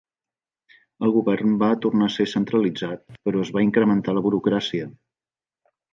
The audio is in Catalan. El govern va tornar a ser centralitzat però es va incrementar la burocràcia.